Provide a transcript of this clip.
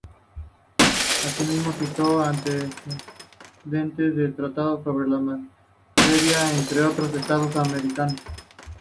Asimismo, citó antecedentes de tratados sobre la materia entre otros estados americanos.